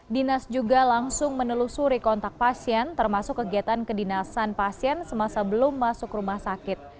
dinas juga langsung menelusuri kontak pasien termasuk kegiatan kedinasan pasien semasa belum masuk rumah sakit